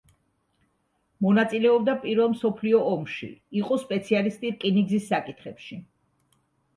მონაწილეობდა პირველ მსოფლიო ომში, იყო სპეციალისტი რკინიგზის საკითხებში.